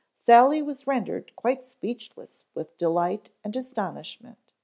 Sally was rendered quite speechless with delight and astonishment.